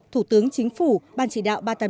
thủ tướng chính phủ ban chỉ đạo ba trăm tám mươi tám